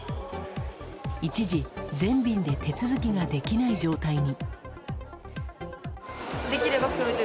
一時、全便で手続きができない状態に。